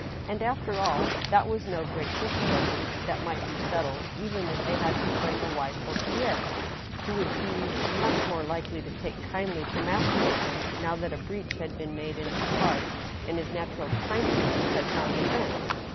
And, after all, that was no great difficulty; that might be settled, even if they had to find a wife for Pierre, who would be much more likely to take kindly to matrimony now that a breach had been made in his heart, and his natural kindliness had found a vent.